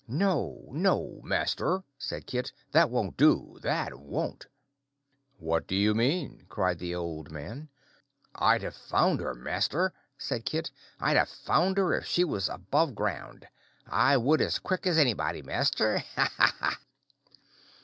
"No, no, master," said Kit; "that won't do, that won't." "What do you mean?" cried the old man. "I'd have found her, master," said Kit; "I'd have found her if she was above ground. I would, as quick as anybody, master. Ha, ha, ha!"